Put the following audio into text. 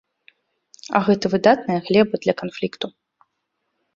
А гэтая выдатная глеба для канфлікту.